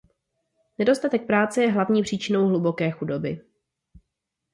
Nedostatek práce je hlavní příčinou hluboké chudoby.